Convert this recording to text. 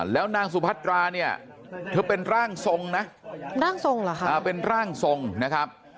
แล้วนางสุพัตราเนี่ยเธอเป็นร่างทรงนะเป็นร่างทรงนะครับ